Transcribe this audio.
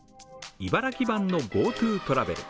茨城版のＧｏＴｏトラベル